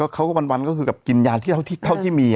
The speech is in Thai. เขาก็วันก็คือกินยาเท่าที่มี